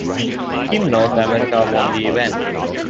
Team North America won the event.